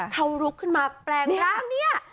เขาลุกขึ้นมาแปลงร่างเนี่ย